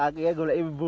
kaki saya sudah berburu